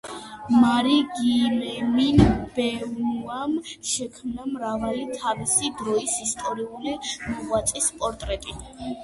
მარი-გიიემინ ბენუამ შექმნა მრავალი თავისი დროის ისტორიული მოღვაწის პორტრეტი.